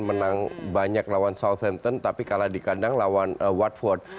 menang banyak lawan salsenton tapi kalah di kandang lawan watford